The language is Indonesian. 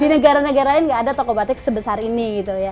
di negara negara lain tidak ada toko batik sebesar ini